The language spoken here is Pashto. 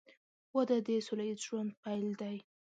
• واده د سوله ییز ژوند پیل دی.